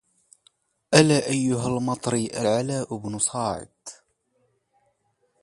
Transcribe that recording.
ألا أيها المطري العلاء بن صاعد